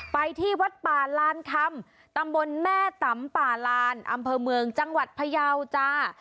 ไปที่วัดป่าลานคำตำบลแม่ตำป่าลานอำเภอเมืองจังหวัดพยาวจ้า